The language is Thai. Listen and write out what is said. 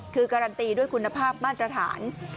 คือการันตีด้วยคุณภาพมาตรฐาน